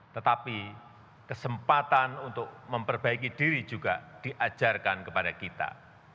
tetapi kesempatan untuk memperbaiki diri juga diajarkan kepada kita